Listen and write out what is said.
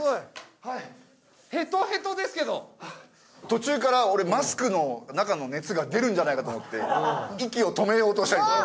途中から俺マスクの中の熱が出るんじゃないかと思って息を止めようとしたり。